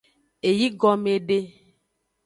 Eygome de.